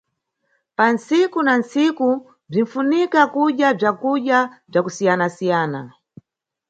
Pantsiku na ntsiku, bzinʼfunika kudya bzakudya bza kusiyanasiyana.